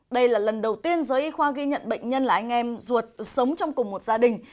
đây là lần đầu tiên giới y khoa ghi nhận bệnh nhân là anh em ruột sống trong cùng một gia đình